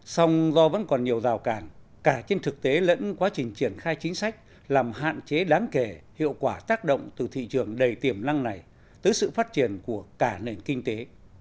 song do vẫn còn nhiều rào cản cả trên thực tế lẫn quá trình triển khai chính sách làm hạn chế đáng kể hiệu quả tác động từ thị trường đầy tiềm năng này tới sự phát triển của cả nền kinh tế